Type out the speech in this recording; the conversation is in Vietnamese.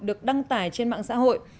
được đăng tải trên mạng xã hội